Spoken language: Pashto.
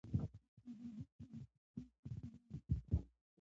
ازادي راډیو د سوله پرمختګ سنجولی.